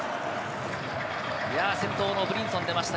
先頭のブリンソン出ました。